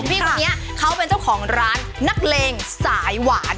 พี่คนนี้เขาเป็นเจ้าของร้านนักเลงสายหวาน